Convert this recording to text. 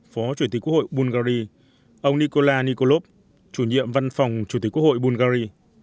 phó chủ tịch quốc hội bungary ông nikola nikolov chủ nhiệm văn phòng chủ tịch quốc hội bungary